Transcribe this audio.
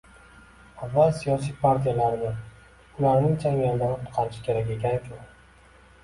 Avval siyosiy partiyalarni ularning changalidan qutqarish kerak ekanku.